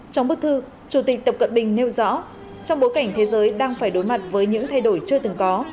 trong bức thư chủ tịch tập cận bình nêu rõ trong bối cảnh thế giới đang phải đối mặt với những thay đổi chưa từng có